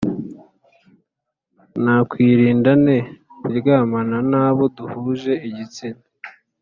Nakwirinda nte kuryamana n abo duhuje igitsina